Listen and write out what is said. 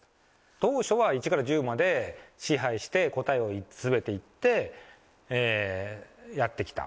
当初は１から１０まで支配して、答えをすべて言って、やってきた。